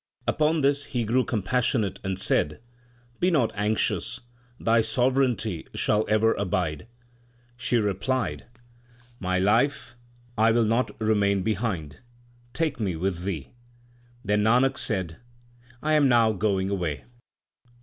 Upon this he grew compassionate, and said, Be not anxious ; thy sovereignty shall ever abide. She replied, My life, I will not remain behind ; take me with thee. Then Nanak said, I am now going away.